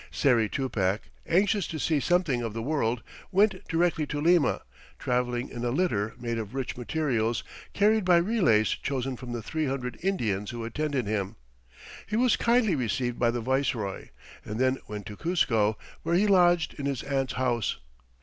Sayri Tupac, anxious to see something of the world, went directly to Lima, traveling in a litter made of rich materials, carried by relays chosen from the three hundred Indians who attended him. He was kindly received by the viceroy, and then went to Cuzco, where he lodged in his aunt's house.